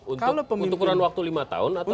untuk kurun waktu lima tahun atau